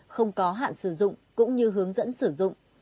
không có hạn sử dụng cũng như hướng dẫn sử dụng